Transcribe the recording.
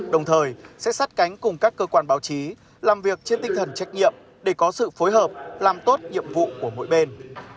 đồng thời sẽ sát cánh cùng các cơ quan báo chí làm việc trên tinh thần trách nhiệm để có sự phối hợp làm tốt nhiệm vụ của mỗi bên